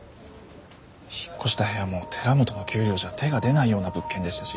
引っ越した部屋も寺本の給料じゃ手が出ないような物件でしたし。